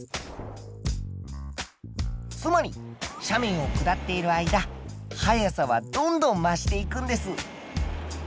つまり斜面を下っている間速さはどんどん増していくんです。